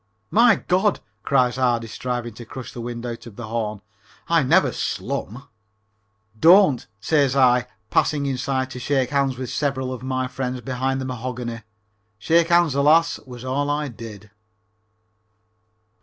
"My God!" cries Ardy, striving to crush the wind out of the horn, "I never slum." "Don't," says I, passing inside to shake hands with several of my friends behind the mahogany. Shake hands, alas, was all I did.